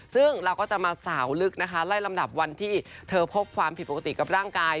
ซึ่งเราก็จะมาสาวลึกนะคะไล่ลำดับวันที่เธอพบความผิดปกติกับร่างกาย